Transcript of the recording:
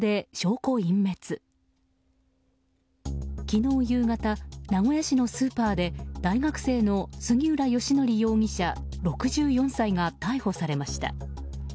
昨日夕方名古屋市のスーパーで大学生の杉浦嘉穂容疑者、６４歳が逮捕されました。